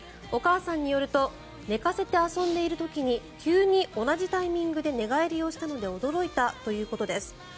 お母さんによると寝かせて遊んでいる時に急に同じタイミングで寝返りをしたので驚いたということです。